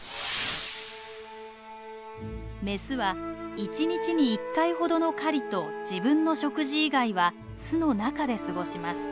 メスは１日に１回ほどの狩りと自分の食事以外は巣の中で過ごします。